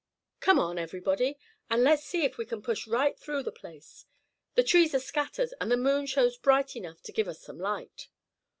Come on, everybody, and let's see if we can push right through the place. The trees are scattered, and the moon shows bright enough to give us some light."